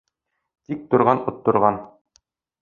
Тик торған отторған